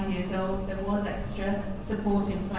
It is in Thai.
ต่อไปแค่ฆ่าครูพูฟิก